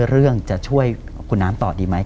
เรื่องจะช่วยคุณน้ำต่อดีไหม